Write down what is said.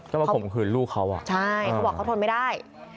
มาข่มขืนลูกเขาอ่ะใช่เขาบอกเขาทนไม่ได้